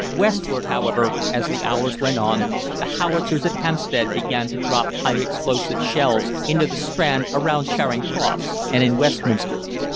Westward, however, as the hours went on, the howitzers at Hampstead began to drop high explosive shells into the Strand, around Charing Cross, and in Westminster.